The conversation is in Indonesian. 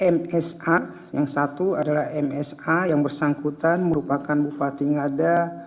msa yang satu adalah msa yang bersangkutan merupakan bupati ngada